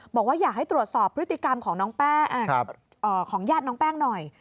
บอกว่าอยากให้ตรวจสอบพฤติกรรมของแย่ดน้องแป้งหน่อย